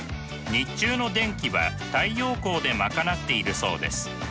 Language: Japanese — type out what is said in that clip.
日中の電気は太陽光で賄っているそうです。